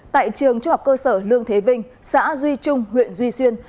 tại trường trung học cơ sở lương thế vinh xã duy trung huyện duy xuyên